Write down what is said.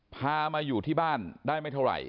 พามาอยู่ที่บ้านได้ไม่เท่าไหร่